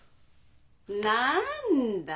なんだ！